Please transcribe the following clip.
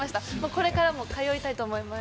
これからも通いたいと思います。